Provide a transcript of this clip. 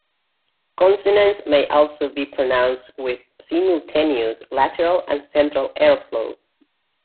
Consonants may also be pronounced with simultaneous lateral and central airflow.